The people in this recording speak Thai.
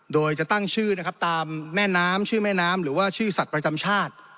โดยจะตั้งชื่อนะครับตามแม่น้ำชื่อแม่น้ำหรือว่าชื่อสัตว์ประจำชาติ